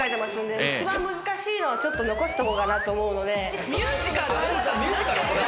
一番難しいのは残しとこうかなと思うので。